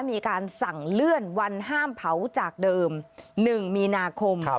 มีการสั่งเลื่อนวันห้ามเผาจากเดิม๑มีนาคม